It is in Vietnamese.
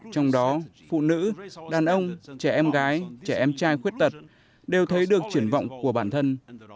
trong đó phụ nữ đàn ông trẻ em gái trẻ em trai khuyết tật đều thấy được triển vọng của bản thân